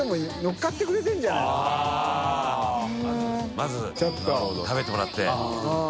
まず食べてもらって。